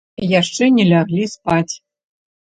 Яшчэ не ляглі спаць.